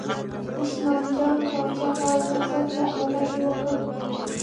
عثمان جان پاچا غاړه تازه کړه او غږ یې وکړ.